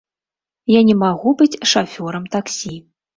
Я не магу быць шафёрам таксі.